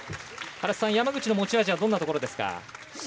山口の持ち味はどんなところですか？